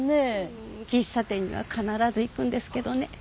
うん喫茶店には必ず行くんですけどね。